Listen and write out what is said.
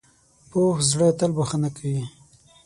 پوخ زړه تل بښنه کوي